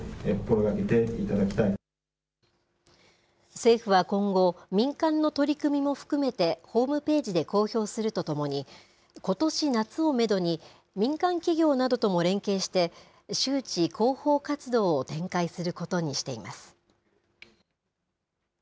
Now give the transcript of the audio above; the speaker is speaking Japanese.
政府は今後、民間の取り組みも含めて、ホームページで公表するとともに、ことし夏をメドに、民間企業などとも連携して、周知・広報活動を展開することにしています。